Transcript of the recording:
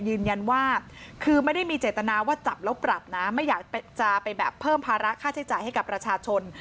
ยืนยันว่าคือไม่ได้มีเจตนาว่าจับแล้วปรับนะไม่อยากจะไปแบบเพิ่มภาระค่าใช้จ่ายให้กับประชาชน